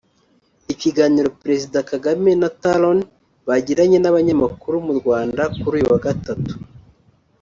Ikiganiro Perezida Kagame na Talon bagiranye n’abanyamakuru mu Rwanda kuri uyu wa gatatu